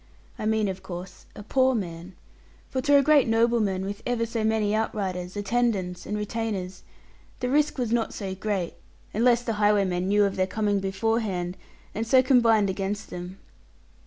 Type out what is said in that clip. I mean, of course, a poor man; for to a great nobleman, with ever so many outriders, attendants, and retainers, the risk was not so great, unless the highwaymen knew of their coming beforehand, and so combined against them.